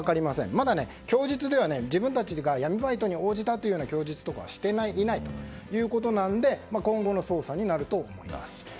まだ、供述では自分たちが闇バイトに応じたというような供述はしていないということなので今後の捜査になると思います。